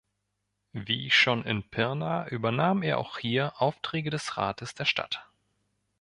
Wie schon in Pirna übernahm er auch hier Aufträge des Rates der Stadt.